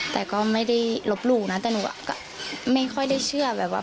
แต่ก็ไม่ได้ลบหลู่นะแต่หนูก็ไม่ค่อยได้เชื่อแบบว่า